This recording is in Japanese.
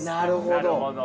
なるほど。